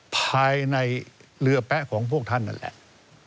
ภายในเรือแป๊ะของพวกท่านนั่นแหละ